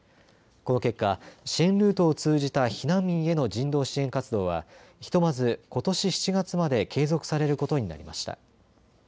この結果、支援ルートを通じた避難民への人道支援活動はひとまずことし７月まで継続されることになりました。